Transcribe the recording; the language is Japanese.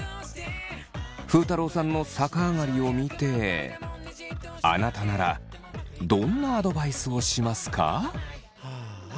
ふうたろうさんの逆上がりを見てあなたならどんなアドバイスをしますか？